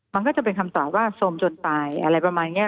มันก็จะเป็นคำตอบว่าสมจนตายอะไรประมาณนี้